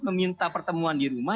meminta pertemuan di rumah